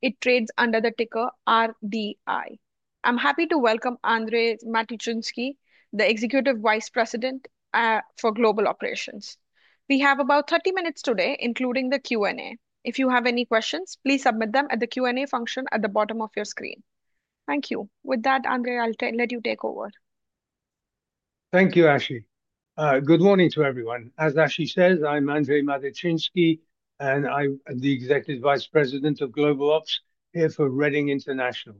It trades under the ticker RDI. I'm happy to welcome Andrzej Matyczynski, the Executive Vice President for Global Operations. We have about 30 minutes today, including the Q&A. If you have any questions, please submit them at the Q&A function at the bottom of your screen. Thank you. With that, Andrzej, I'll let you take over. Thank you, Ashi. Good morning to everyone. As Ashi says, I'm Andrzej Matyczynski, and I'm the Executive Vice President of Global Ops here for Reading International.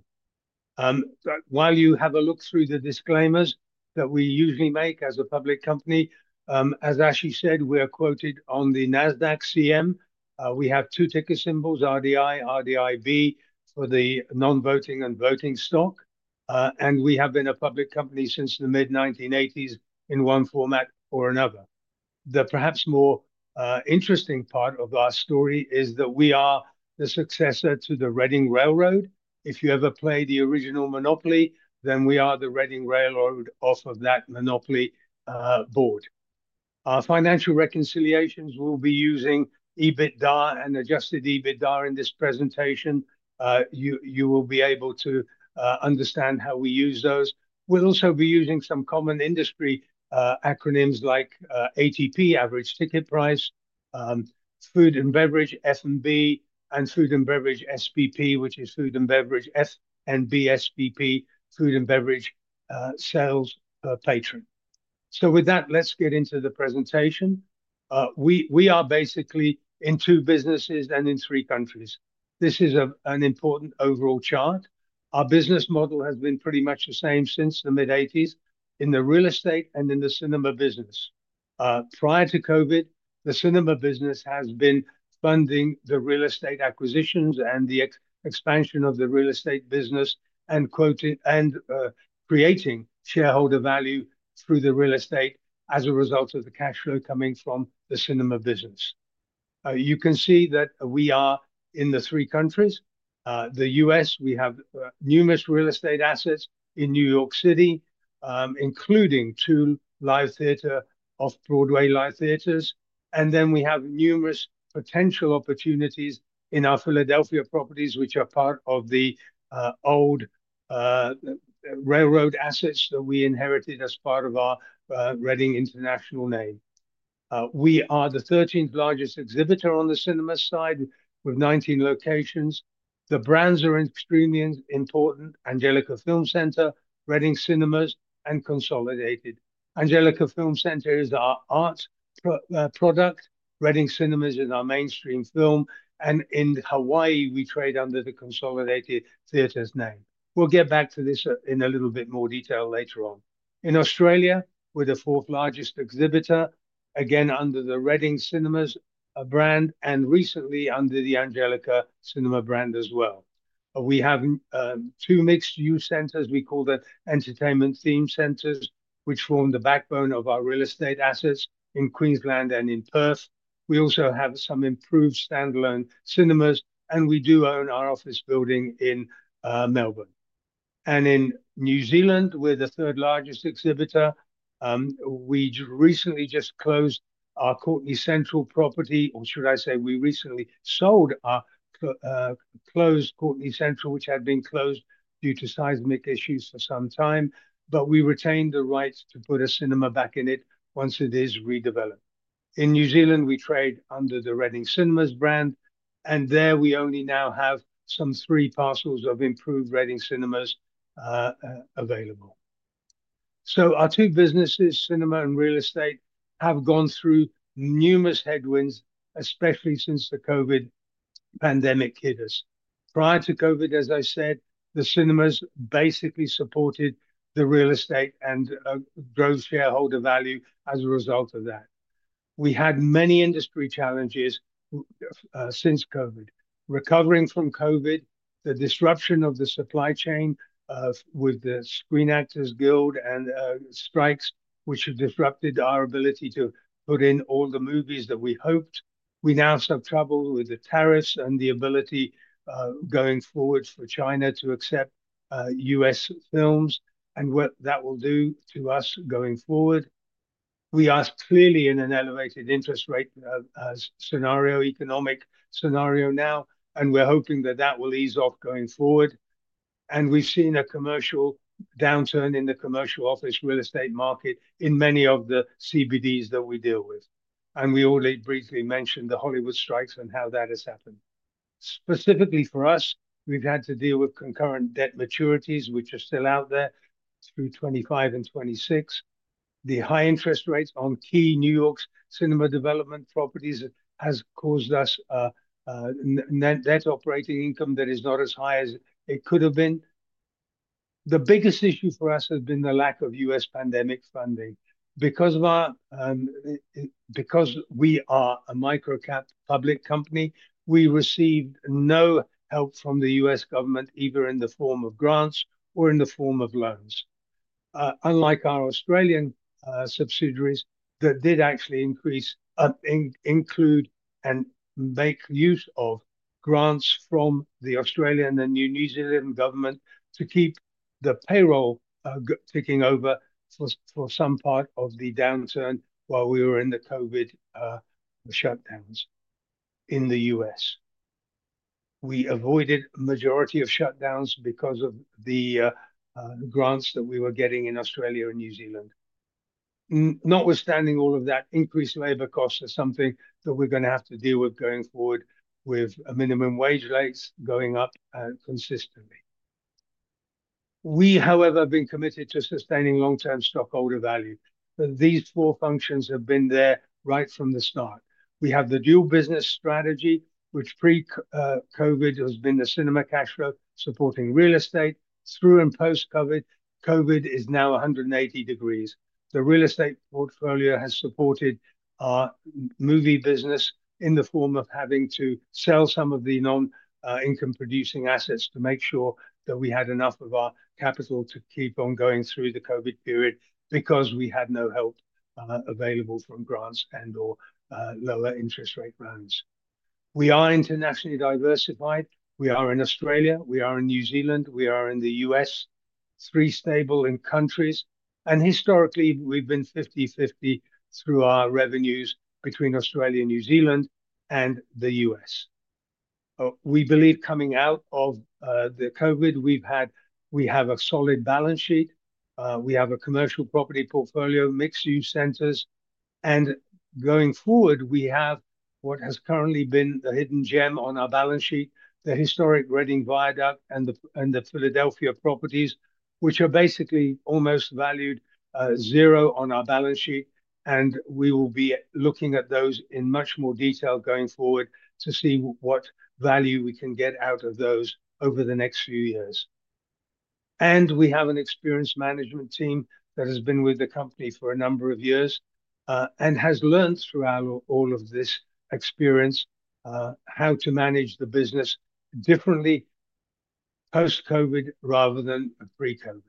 While you have a look through the disclaimers that we usually make as a public company, as Ashi said, we are quoted on the Nasdaq CM. We have two ticker symbols, RDI, RDIV, for the non-voting and voting stock. We have been a public company since the mid-1980s in one format or another. The perhaps more interesting part of our story is that we are the successor to the Reading Railroad. If you ever play the original Monopoly, then we are the Reading Railroad off of that Monopoly board. Our financial reconciliations will be using EBITDA and adjusted EBITDA in this presentation. You will be able to understand how we use those. We'll also be using some common industry acronyms like ATP, Average Ticket Price, Food and Beverage F&B, and Food and Beverage SBP, which is Food and Beverage F&B SBP, Food and Beverage Sales Per Patron. With that, let's get into the presentation. We are basically in two businesses and in three countries. This is an important overall chart. Our business model has been pretty much the same since the mid-1980s in the real estate and in the cinema business. Prior to COVID, the cinema business has been funding the real estate acquisitions and the expansion of the real estate business and creating shareholder value through the real estate as a result of the cash flow coming from the cinema business. You can see that we are in the three countries. The U.S., we have numerous real estate assets in New York City, including two live theaters, off-Broadway live theaters. We have numerous potential opportunities in our Philadelphia properties, which are part of the old railroad assets that we inherited as part of our Reading International name. We are the 13th largest exhibitor on the cinema side with 19 locations. The brands are extremely important: Angelika Film Center, Reading Cinemas, and Consolidated. Angelika Film Center is our art product. Reading Cinemas is our mainstream film. In Hawaii, we trade under the Consolidated Theaters name. We will get back to this in a little bit more detail later on. In Australia, we are the fourth largest exhibitor, again under the Reading Cinemas brand and recently under the Angelika Cinemas brand as well. We have two mixed-use centers. We call them entertainment theme centers, which form the backbone of our real estate assets in Queensland and in Perth. We also have some improved standalone cinemas, and we do own our office building in Melbourne. In New Zealand, we're the third largest exhibitor. We recently just closed our Courtenay Central property, or should I say we recently sold our closed Courtenay Central, which had been closed due to seismic issues for some time. We retained the rights to put a cinema back in it once it is redeveloped. In New Zealand, we trade under the Reading Cinemas brand. There we only now have some three parcels of improved Reading Cinemas available. Our two businesses, cinema and real estate, have gone through numerous headwinds, especially since the COVID pandemic hit us. Prior to COVID, as I said, the cinemas basically supported the real estate and drove shareholder value as a result of that. We had many industry challenges since COVID. Recovering from COVID, the disruption of the supply chain with the Screen Actors Guild and strikes, which have disrupted our ability to put in all the movies that we hoped. We now have trouble with the tariffs and the ability going forward for China to accept US films and what that will do to us going forward. We are clearly in an elevated interest rate scenario, economic scenario now, and we're hoping that that will ease off going forward. We have seen a commercial downturn in the commercial office real estate market in many of the CBDs that we deal with. We already briefly mentioned the Hollywood strikes and how that has happened. Specifically for us, we have had to deal with concurrent debt maturities, which are still out there through 2025 and 2026. The high interest rates on key New York's cinema development properties have caused us net operating income that is not as high as it could have been. The biggest issue for us has been the lack of U.S. pandemic funding. Because we are a microcap public company, we received no help from the U.S. government, either in the form of grants or in the form of loans. Unlike our Australian subsidiaries that did actually include and make use of grants from the Australian and New Zealand government to keep the payroll ticking over for some part of the downturn while we were in the COVID shutdowns in the U.S. We avoided a majority of shutdowns because of the grants that we were getting in Australia and New Zealand. Notwithstanding all of that, increased labor costs are something that we're going to have to deal with going forward with minimum wage rates going up consistently. We, however, have been committed to sustaining long-term stockholder value. These four functions have been there right from the start. We have the dual business strategy, which pre-COVID has been the cinema cash flow supporting real estate. Through and post-COVID, COVID is now 180 degrees. The real estate portfolio has supported our movie business in the form of having to sell some of the non-income producing assets to make sure that we had enough of our capital to keep on going through the COVID period because we had no help available from grants and/or lower interest rate loans. We are internationally diversified. We are in Australia. We are in New Zealand. We are in the US, three stable in countries. Historically, we've been 50/50 through our revenues between Australia, New Zealand, and the US. We believe coming out of the COVID, we have a solid balance sheet. We have a commercial property portfolio, mixed-use centers. Going forward, we have what has currently been the hidden gem on our balance sheet, the historic Reading Viaduct and the Philadelphia properties, which are basically almost valued zero on our balance sheet. We will be looking at those in much more detail going forward to see what value we can get out of those over the next few years. We have an experienced management team that has been with the company for a number of years and has learned throughout all of this experience how to manage the business differently post-COVID rather than pre-COVID.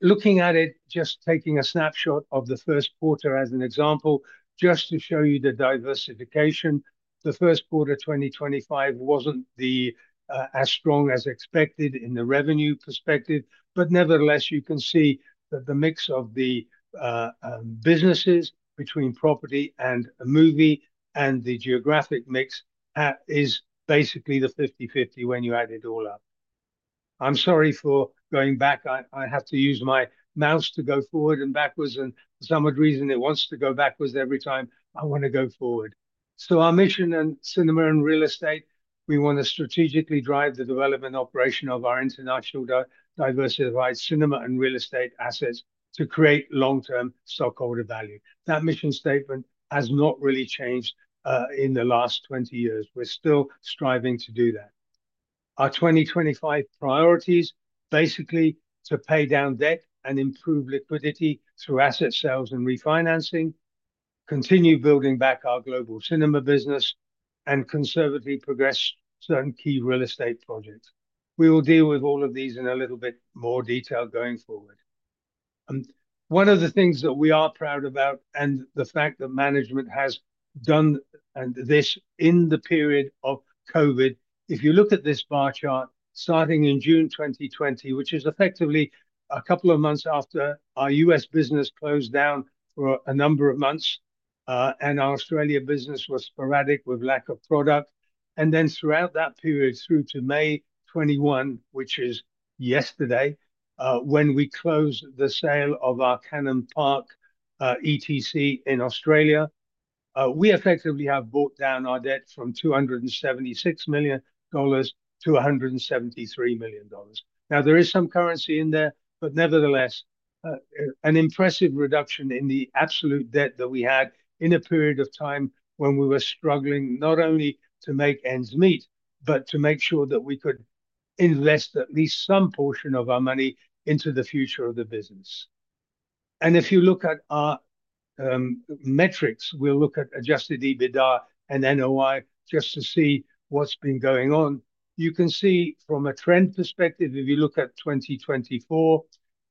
Looking at it, just taking a snapshot of the first quarter as an example, just to show you the diversification, the first quarter 2025 was not as strong as expected in the revenue perspective. Nevertheless, you can see that the mix of the businesses between property and a movie and the geographic mix is basically the 50/50 when you add it all up. I'm sorry for going back. I have to use my mouse to go forward and backwards. For some odd reason, it wants to go backwards every time I want to go forward. Our mission in cinema and real estate, we want to strategically drive the development operation of our international diversified cinema and real estate assets to create long-term stockholder value. That mission statement has not really changed in the last 20 years. We're still striving to do that. Our 2025 priorities basically are to pay down debt and improve liquidity through asset sales and refinancing, continue building back our global cinema business, and conservatively progress certain key real estate projects. We will deal with all of these in a little bit more detail going forward. One of the things that we are proud about and the fact that management has done this in the period of COVID, if you look at this bar chart starting in June 2020, which is effectively a couple of months after our US business closed down for a number of months and our Australia business was sporadic with lack of product. Throughout that period through to May 2021, which is yesterday, when we closed the sale of our Canon Park ETC in Australia, we effectively have brought down our debt from $276 million to $173 million. Now, there is some currency in there, but nevertheless, an impressive reduction in the absolute debt that we had in a period of time when we were struggling not only to make ends meet, but to make sure that we could invest at least some portion of our money into the future of the business. If you look at our metrics, we'll look at adjusted EBITDA and NOI just to see what's been going on. You can see from a trend perspective, if you look at 2024,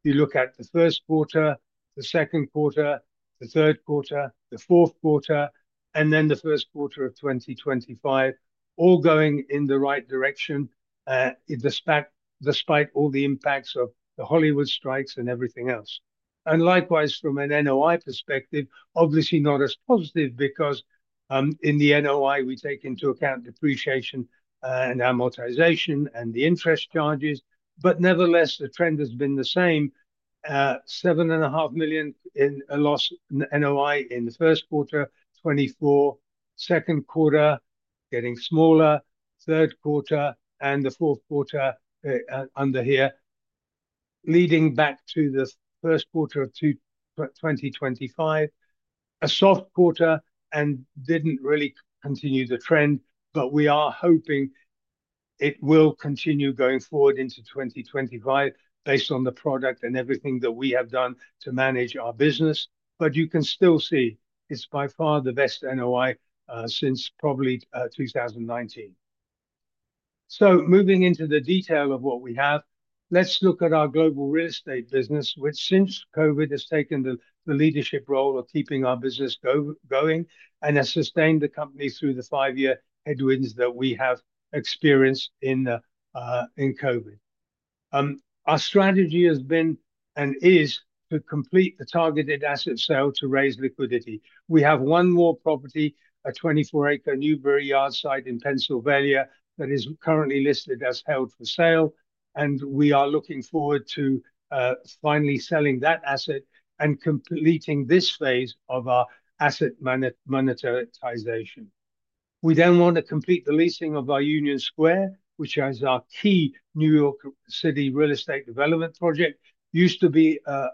you look at the first quarter, the second quarter, the third quarter, the fourth quarter, and then the first quarter of 2025, all going in the right direction despite all the impacts of the Hollywood strikes and everything else. Likewise, from an NOI perspective, obviously not as positive because in the NOI, we take into account depreciation and amortization and the interest charges. Nevertheless, the trend has been the same. $7.5 million in a loss NOI in the first quarter 2024. Second quarter, getting smaller. Third quarter and the fourth quarter under here, leading back to the first quarter of 2025. A soft quarter and did not really continue the trend, but we are hoping it will continue going forward into 2025 based on the product and everything that we have done to manage our business. You can still see it is by far the best NOI since probably 2019. Moving into the detail of what we have, let's look at our global real estate business, which since COVID has taken the leadership role of keeping our business going and has sustained the company through the five-year headwinds that we have experienced in COVID. Our strategy has been and is to complete the targeted asset sale to raise liquidity. We have one more property, a 24-acre Newberry Yard site in Pennsylvania that is currently listed as held for sale. We are looking forward to finally selling that asset and completing this phase of our asset monetization. We then want to complete the leasing of our Union Square, which is our key New York City real estate development project. It used to be a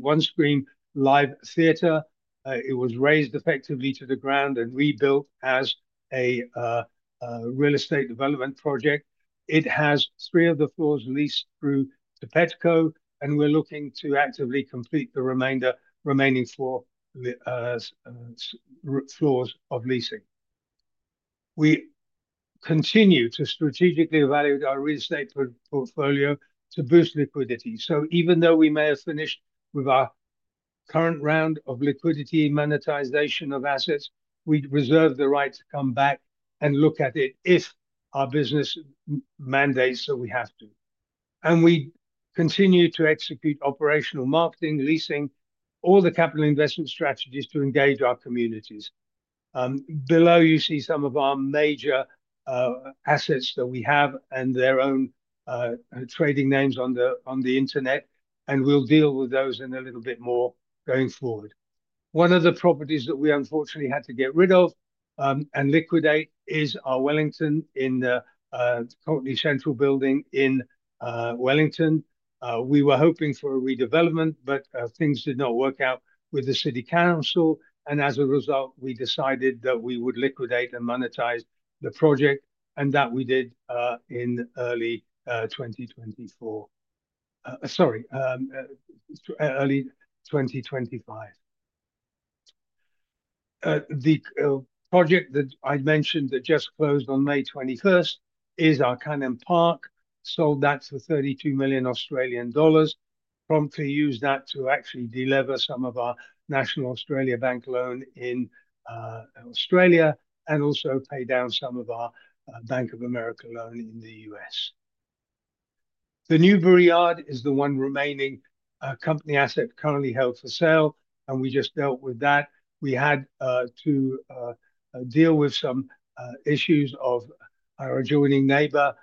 one-screen live theater. It was razed effectively to the ground and rebuilt as a real estate development project. It has three of the floors leased through the Petco, and we're looking to actively complete the remaining floors of leasing. We continue to strategically evaluate our real estate portfolio to boost liquidity. Even though we may have finished with our current round of liquidity monetization of assets, we reserve the right to come back and look at it if our business mandates that we have to. We continue to execute operational marketing, leasing, all the capital investment strategies to engage our communities. Below, you see some of our major assets that we have and their own trading names on the internet. We'll deal with those in a little bit more going forward. One of the properties that we unfortunately had to get rid of and liquidate is our Wellington in the Courtenay Central building in Wellington. We were hoping for a redevelopment, but things did not work out with the city council. As a result, we decided that we would liquidate and monetize the project, and that we did in early 2024. Sorry, early 2025. The project that I mentioned that just closed on May 21 is our Canon Park. Sold that for 32 million Australian dollars. Prompt to use that to actually deliver some of our National Australia Bank loan in Australia and also pay down some of our Bank of America loan in the U.S. The Newberry Yard is the one remaining company asset currently held for sale, and we just dealt with that. We had to deal with some issues of our adjoining neighbor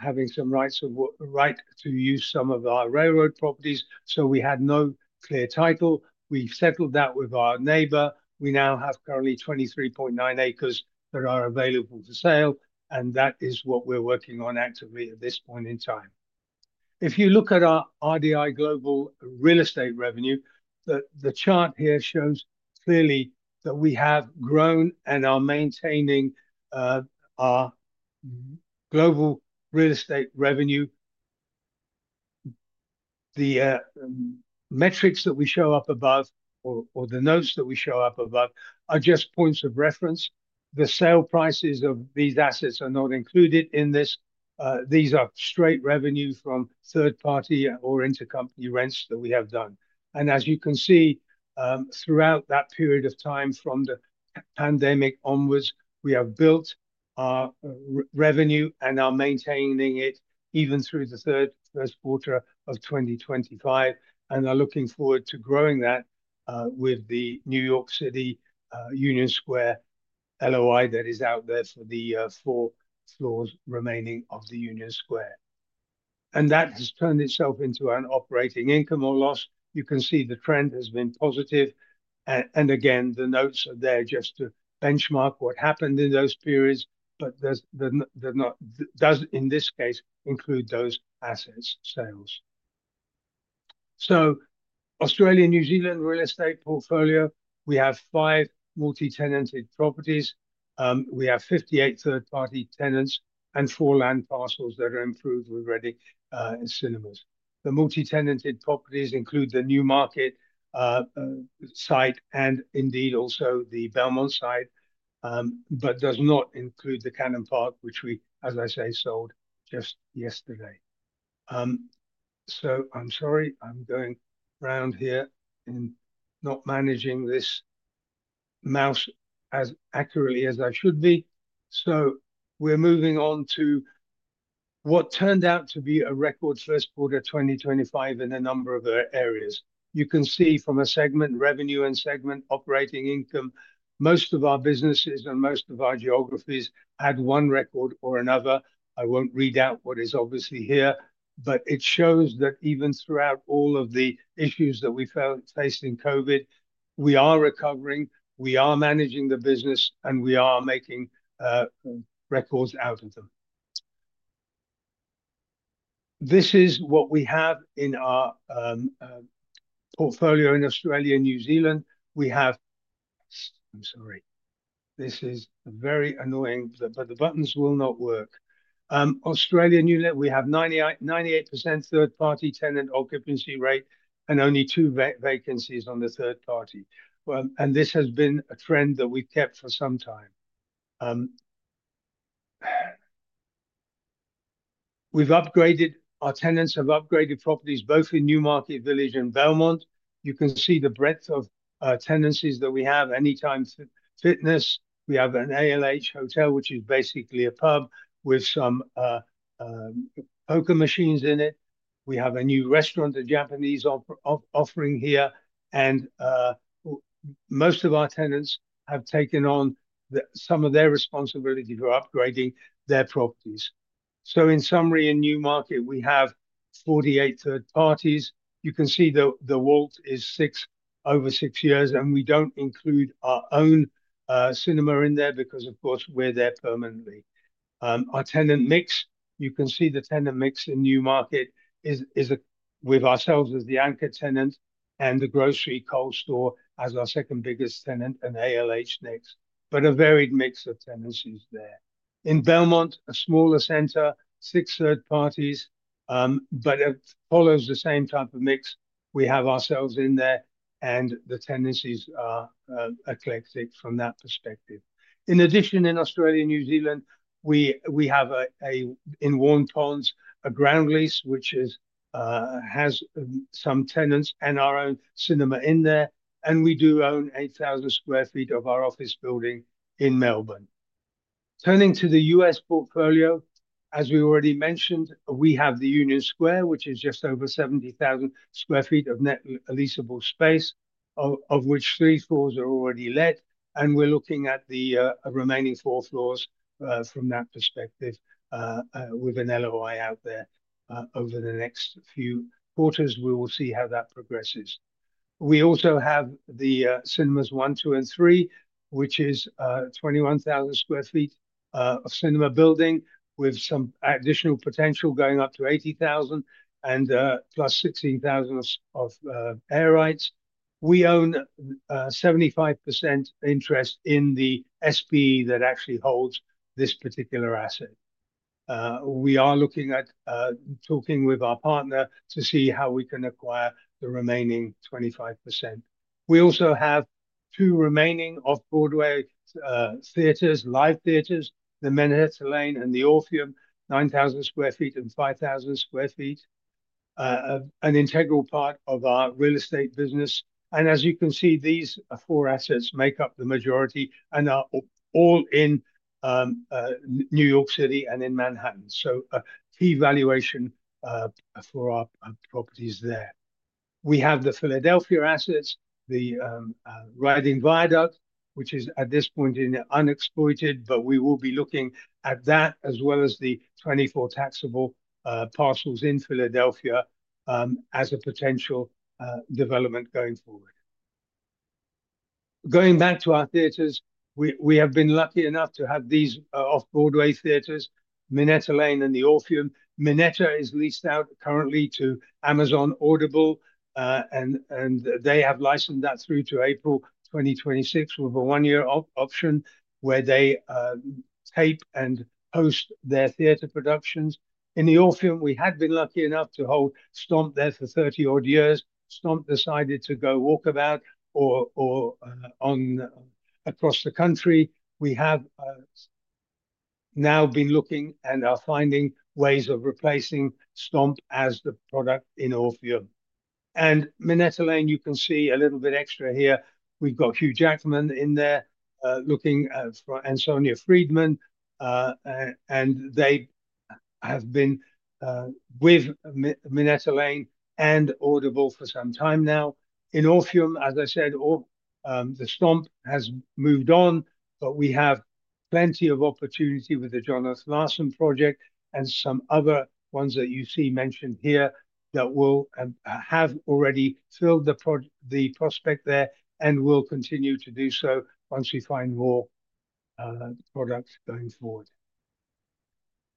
having some rights to use some of our railroad properties. We had no clear title. We've settled that with our neighbor. We now have currently 23.9 acres that are available for sale, and that is what we're working on actively at this point in time. If you look at our RDI global real estate revenue, the chart here shows clearly that we have grown and are maintaining our global real estate revenue. The metrics that we show up above or the notes that we show up above are just points of reference. The sale prices of these assets are not included in this. These are straight revenue from third-party or intercompany rents that we have done. As you can see, throughout that period of time from the pandemic onwards, we have built our revenue and are maintaining it even through the first quarter of 2025 and are looking forward to growing that with the New York City Union Square LOI that is out there for the four floors remaining of the Union Square. That has turned itself into an operating income or loss. You can see the trend has been positive. The notes are there just to benchmark what happened in those periods, but does in this case include those asset sales. Australia and New Zealand real estate portfolio, we have five multi-tenanted properties. We have 58 third-party tenants and four land parcels that are improved with Reading Cinemas. The multi-tenanted properties include the New Market site and indeed also the Belmont site, but does not include the Canon Park, which we, as I say, sold just yesterday. I'm sorry, I'm going around here and not managing this mouse as accurately as I should be. We're moving on to what turned out to be a record first quarter 2025 in a number of areas. You can see from segment revenue and segment operating income, most of our businesses and most of our geographies had one record or another. I won't read out what is obviously here, but it shows that even throughout all of the issues that we faced in COVID, we are recovering, we are managing the business, and we are making records out of them. This is what we have in our portfolio in Australia and New Zealand. We have, I'm sorry, this is very annoying, but the buttons will not work. Australia and New Zealand, we have 98% third-party tenant occupancy rate and only two vacancies on the third party. This has been a trend that we've kept for some time. We've upgraded, our tenants have upgraded properties both in New Market Village and Belmont. You can see the breadth of tenancies that we have. Anytime Fitness, we have an ALH hotel, which is basically a pub with some poker machines in it. We have a new restaurant, a Japanese offering here. Most of our tenants have taken on some of their responsibility for upgrading their properties. In summary, in New Market, we have 48 third parties. You can see the Walt is six over six years, and we don't include our own cinema in there because, of course, we're there permanently. Our tenant mix, you can see the tenant mix in New Market is with ourselves as the anchor tenant and the grocery Coles store as our second biggest tenant and ALH mix, but a varied mix of tenancies there. In Belmont, a smaller center, six third parties, but it follows the same type of mix. We have ourselves in there, and the tenancies are eclectic from that perspective. In addition, in Australia and New Zealand, we have in Warnambool a ground lease, which has some tenants and our own cinema in there. We do own 8,000 sq ft of our office building in Melbourne. Turning to the U.S. portfolio, as we already mentioned, we have the Union Square, which is just over 70,000 sq ft of net leasable space, of which three floors are already let. We're looking at the remaining four floors from that perspective with an LOI out there over the next few quarters. We will see how that progresses. We also have the Cinemas 1, 2, and 3, which is 21,000 sq ft of cinema building with some additional potential going up to 80,000 and plus 16,000 of air rights. We own 75% interest in the SP that actually holds this particular asset. We are looking at talking with our partner to see how we can acquire the remaining 25%. We also have two remaining off-Broadway theaters, live theaters, the Manhattan Lane and the Orpheum, 9,000 sq ft and 5,000 sq ft, an integral part of our real estate business. As you can see, these four assets make up the majority and are all in New York City and in Manhattan. Key valuation for our properties there. We have the Philadelphia assets, the Reading Viaduct, which is at this point unexploited, but we will be looking at that as well as the 24 taxable parcels in Philadelphia as a potential development going forward. Going back to our theaters, we have been lucky enough to have these off-Broadway theaters, Manhattan Lane and the Orpheum. Manhattan is leased out currently to Amazon Audible, and they have licensed that through to April 2026 with a one-year option where they tape and host their theater productions. In the Orpheum, we had been lucky enough to hold Stomp there for 30 odd years. Stomp decided to go walkabout or on across the country. We have now been looking and are finding ways of replacing Stomp as the product in Orpheum. In Manhattan Lane, you can see a little bit extra here. We've got Hugh Jackman in there looking for Antonia Friedman, and they have been with Manhattan Lane and Audible for some time now. In Orpheum, as I said, the Stomp has moved on, but we have plenty of opportunity with the John F. Larson project and some other ones that you see mentioned here that will have already filled the prospect there and will continue to do so once we find more products going forward.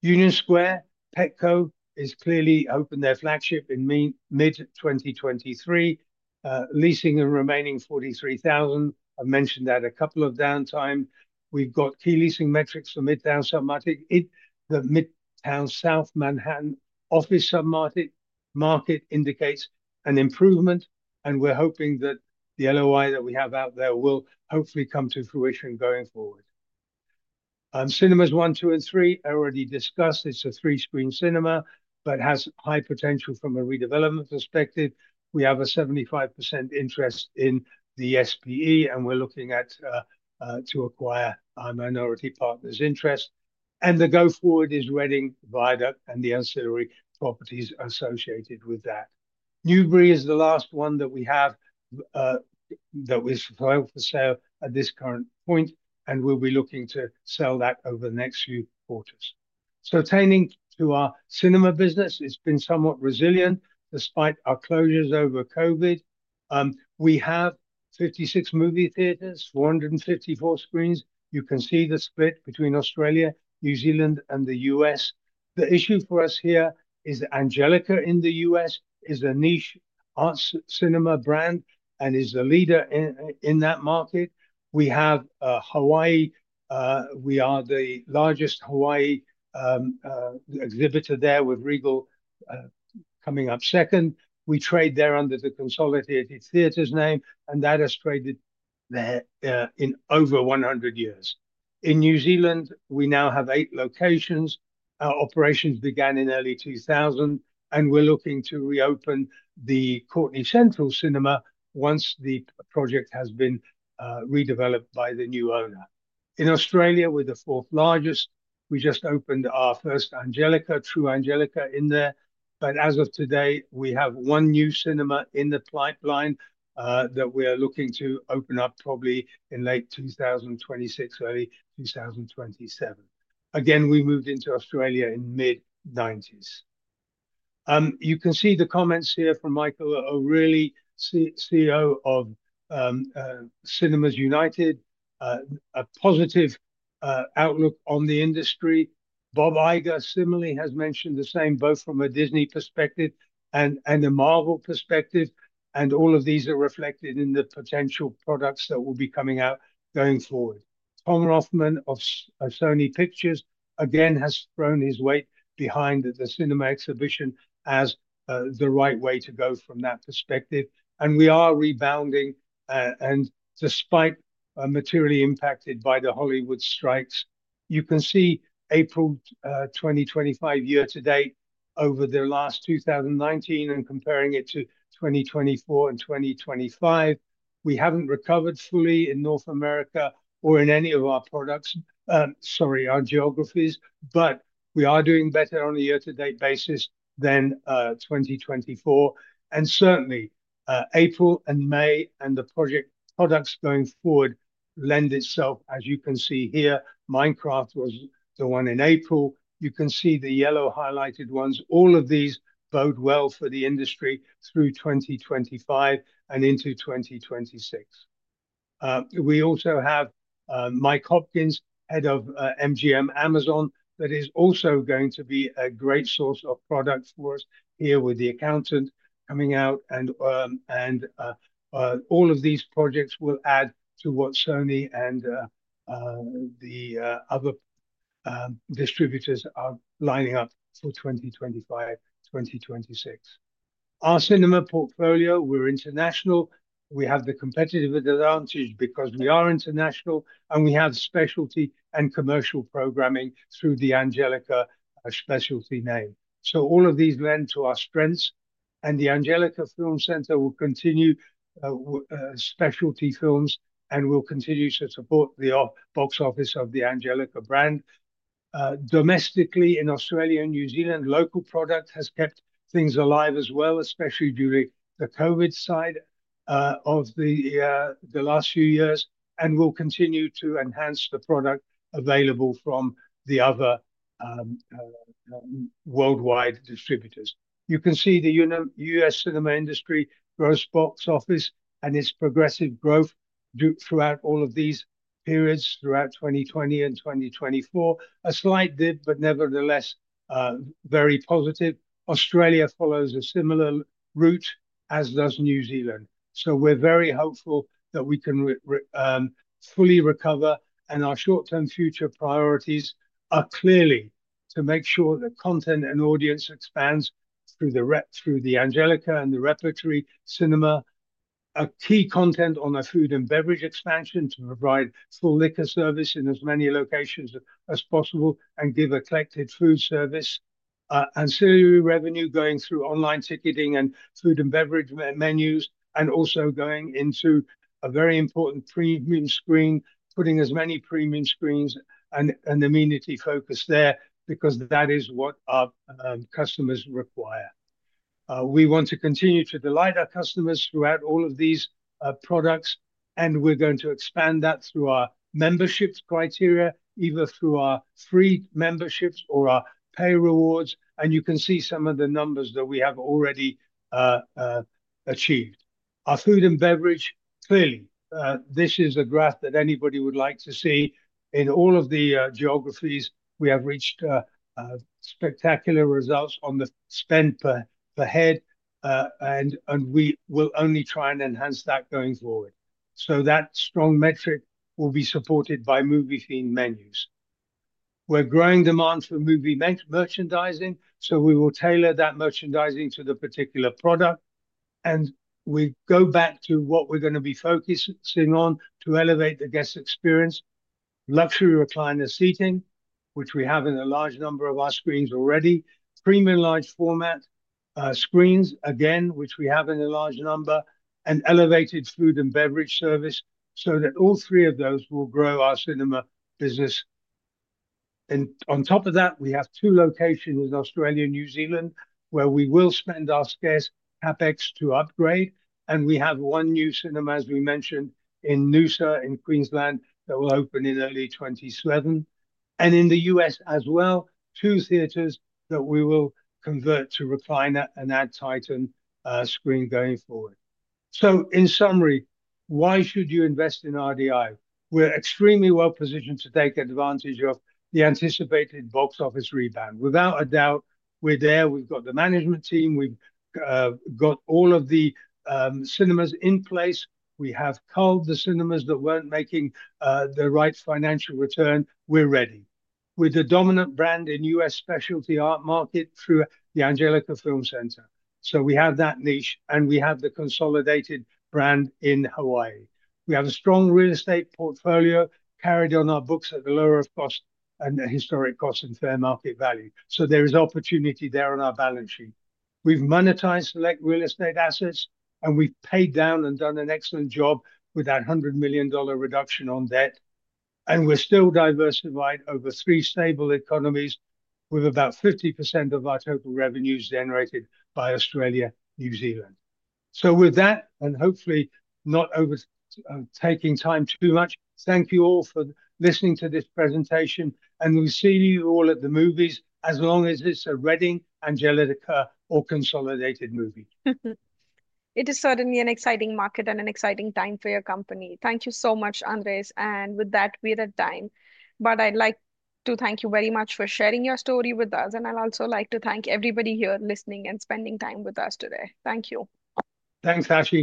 Union Square, Petco has clearly opened their flagship in mid-2023, leasing the remaining 43,000 sq ft. I've mentioned that a couple of times. We've got key leasing metrics for Midtown Submarket. The Midtown South Manhattan office submarket indicates an improvement, and we're hoping that the LOI that we have out there will hopefully come to fruition going forward. Cinemas 1, 2, and 3 already discussed. It's a three-screen cinema, but has high potential from a redevelopment perspective. We have a 75% interest in the SPE, and we're looking at acquiring our minority partner's interest. The go-forward is Reading Viaduct and the ancillary properties associated with that. Newberry is the last one that we have that we're for sale at this current point, and we'll be looking to sell that over the next few quarters. Turning to our cinema business, it's been somewhat resilient despite our closures over COVID. We have 56 movie theaters, 454 screens. You can see the split between Australia, New Zealand, and the U.S. The issue for us here is that Angelika in the U.S. is a niche arts cinema brand and is the leader in that market. We have Hawaii. We are the largest Hawaii exhibitor there with Regal coming up second. We trade there under the Consolidated Theaters name, and that has traded there in over 100 years. In New Zealand, we now have eight locations. Our operations began in early 2000, and we're looking to reopen the Courtenay Central Cinema once the project has been redeveloped by the new owner. In Australia, we're the fourth largest. We just opened our first Angelika, true Angelika in there. As of today, we have one new cinema in the pipeline that we are looking to open up probably in late 2026, early 2027. Again, we moved into Australia in the mid-1990s. You can see the comments here from Michael O'Leary, CEO of Cinema United, a positive outlook on the industry. Bob Iger similarly has mentioned the same, both from a Disney perspective and a Marvel perspective. All of these are reflected in the potential products that will be coming out going forward. Tom Rothman of Sony Pictures, again, has thrown his weight behind the cinema exhibition as the right way to go from that perspective. We are rebounding, and despite being materially impacted by the Hollywood strikes, you can see April 2025 year-to-date over the last 2019 and comparing it to 2024 and 2025. We have not recovered fully in North America or in any of our products, sorry, our geographies, but we are doing better on a year-to-date basis than 2024. Certainly, April and May and the project products going forward lend itself, as you can see here. Minecraft was the one in April. You can see the yellow highlighted ones. All of these bode well for the industry through 2025 and into 2026. We also have Mike Hopkins, head of MGM Amazon, that is also going to be a great source of product for us here with the accountant coming out. All of these projects will add to what Sony and the other distributors are lining up for 2025, 2026. Our cinema portfolio, we're international. We have the competitive advantage because we are international, and we have specialty and commercial programming through the Angelika specialty name. All of these lend to our strengths, and the Angelika Film Center will continue specialty films and will continue to support the box office of the Angelika brand. Domestically in Australia and New Zealand, local product has kept things alive as well, especially during the COVID side of the last few years, and will continue to enhance the product available from the other worldwide distributors. You can see the U.S. cinema industry grows box office and its progressive growth throughout all of these periods throughout 2020 and 2024. A slight dip, but nevertheless very positive. Australia follows a similar route as does New Zealand. We are very hopeful that we can fully recover, and our short-term future priorities are clearly to make sure that content and audience expands through the Angelika and the repertory cinema. Key content on our food and beverage expansion to provide full liquor service in as many locations as possible and give a collected food service. Ancillary revenue going through online ticketing and food and beverage menus, and also going into a very important premium screen, putting as many premium screens and amenity focus there because that is what our customers require. We want to continue to delight our customers throughout all of these products, and we are going to expand that through our membership criteria, either through our free memberships or our pay rewards. You can see some of the numbers that we have already achieved. Our food and beverage, clearly, this is a graph that anybody would like to see. In all of the geographies, we have reached spectacular results on the spend per head, and we will only try and enhance that going forward. That strong metric will be supported by movie-themed menus. We are growing demand for movie merchandising, so we will tailor that merchandising to the particular product. We go back to what we are going to be focusing on to elevate the guest experience. Luxury recliner seating, which we have in a large number of our screens already. Premium large format screens, again, which we have in a large number, and elevated food and beverage service so that all three of those will grow our cinema business. On top of that, we have two locations in Australia and New Zealand where we will spend our scarce CapEx to upgrade. We have one new cinema, as we mentioned, in Noosa in Queensland that will open in early 2027. In the U.S. as well, two theaters that we will convert to recliner and add Titan Screen going forward. In summary, why should you invest in RDI? We're extremely well positioned to take advantage of the anticipated box office rebound. Without a doubt, we're there. We've got the management team. We've got all of the cinemas in place. We have culled the cinemas that were not making the right financial return. We're ready. We're the dominant brand in the U.S. specialty art market through the Angelika Film Center. We have that niche, and we have the Consolidated brand in Hawaii. We have a strong real estate portfolio carried on our books at the lower of cost and the historic cost and fair market value. There is opportunity there on our balance sheet. We've monetized select real estate assets, and we've paid down and done an excellent job with that $100 million reduction on debt. We're still diversified over three stable economies with about 50% of our total revenues generated by Australia and New Zealand. With that, and hopefully not overtaking time too much, thank you all for listening to this presentation, and we'll see you all at the movies as long as it's a Reading, Angelika, or Consolidated movie. It is certainly an exciting market and an exciting time for your company. Thank you so much, Andrzej. With that, we are at time. I would like to thank you very much for sharing your story with us. I would also like to thank everybody here listening and spending time with us today. Thank you. Thanks, Ashi.